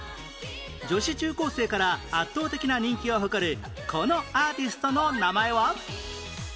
女子中高生から圧倒的な人気を誇るこのアーティストの名前は？